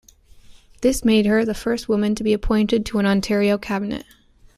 This made her the first woman to be appointed to an Ontario cabinet.